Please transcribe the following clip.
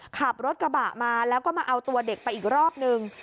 ขับรถกระบะมาแล้วก็มาเอาตัวเด็กไปอีกรอบนึง